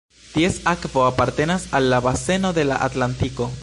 Ties akvo apartenas al la baseno de la Atlantiko.